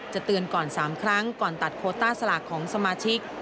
เตือนก่อน๓ครั้งก่อนตัดโคต้าสลากของสมาชิก